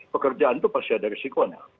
pekerjaan itu pasti ada risikonya